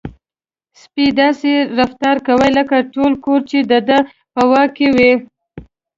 سپی داسې رفتار کوي لکه ټول کور چې د ده په واک کې وي.